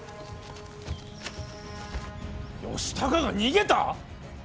義高が逃げた！？